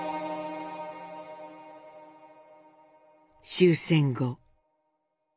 終戦後。